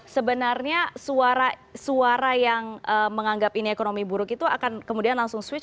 sebenarnya suara yang menganggap ini ekonomi buruk itu akan kemudian langsung switch